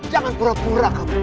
jangan pura pura kamu